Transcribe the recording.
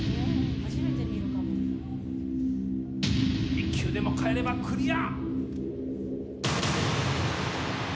１球でも返ればクリア！